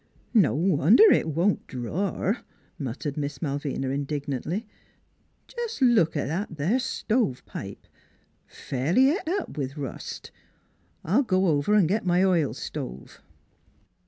"No wonder it won't dror!" muttered Miss Malvina indignantly. " Jes' look at that there stove pipe fairly et up with rust! I'll go over an' git m' oil stove."